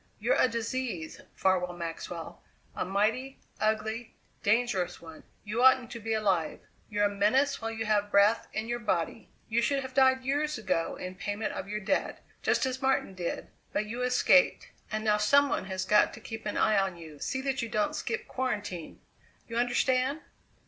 "You're a disease, Farwell Maxwell, a mighty, ugly, dangerous one. You oughtn't to be alive; you're a menace while you have breath in your body; you should have died years ago in payment of your debt, just as Martin did, but you escaped, and now some one has got to keep an eye on you; see that you don't skip quarantine. You understand?"